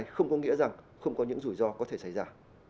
không có nghĩa rằng không có những rủi ro có thể xảy ra